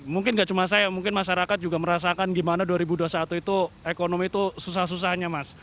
mungkin gak cuma saya mungkin masyarakat juga merasakan gimana dua ribu dua puluh satu itu ekonomi itu susah susahnya mas